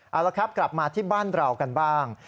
เอาละครับกลับมาที่บ้านเรากันบ้าง